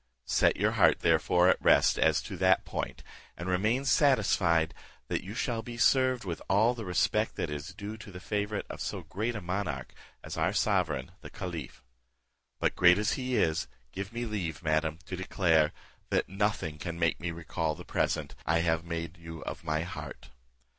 Set your heart, therefore, at rest, as to that point, and remain satisfied that you shall be served with all the respect that is due to the favourite of so great a monarch as our sovereign the caliph. But great as he is, give me leave, madam, to declare, that nothing can make me recall the present I have made you of my heart.